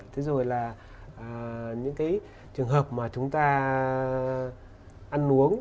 thế rồi là những cái trường hợp mà chúng ta ăn uống